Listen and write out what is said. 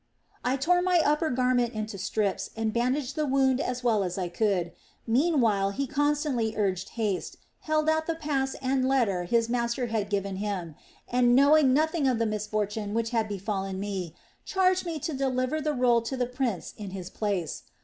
"I tore my upper garment into strips and bandaged the wound as well as I could. Meanwhile he constantly urged haste, held out the pass and letter his master had given him and, knowing nothing of the misfortune which had befallen me, charged me to deliver the roll to the prince in his place.